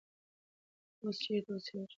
ته اوس چیرته اوسېږې؟ ته دلته څومره وخت ژوند کوې؟